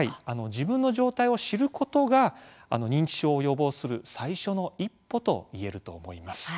自分の状態を知ることが認知症を予防する最初の一歩と言えると思います。